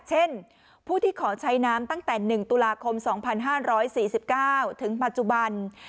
เช่นผู้ที่ขอใช้น้ำตั้งแต่๑ตุลาคม๒๕๔๙ถึงปัจจุบัน